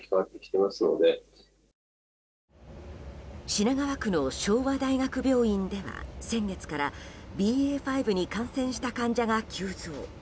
品川区の昭和大学病院では先月からＢＡ．５に感染した患者が急増。